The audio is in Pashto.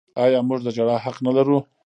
آیا موږ د ژړا حق نلرو؟